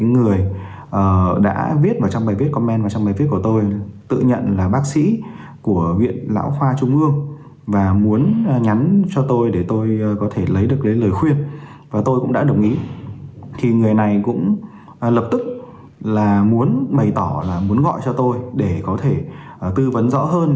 người này cũng bày tỏ là muốn gọi cho tôi để có thể tư vấn rõ hơn